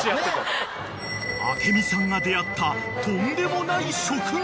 ［明美さんが出合ったとんでもない職業］